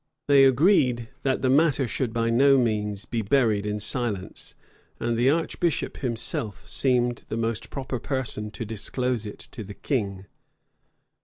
They agreed, that the matter should by no means be buried in silence; and the archbishop himself seemed the most proper person to disclose it to the king.